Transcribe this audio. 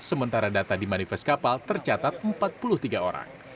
sementara data di manifest kapal tercatat empat puluh tiga orang